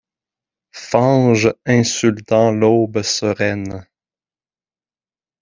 Fange insultant l’aube sereine